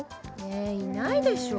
えいないでしょ。